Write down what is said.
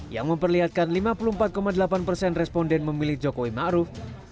yang memperlihatkan lima puluh empat delapan persen responden memilih jokowi ma'ruf